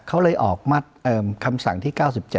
เขาเลยออกมัดคำสั่งที่๙๗